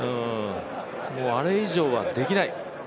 あれ以上はできない。